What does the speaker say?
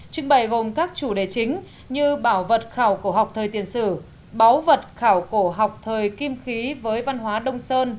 trưng bày gồm các chủ đề chính như bảo vật khảo cổ học thời tiền sử báo vật khảo cổ học thời kim khí với văn hóa đông sơn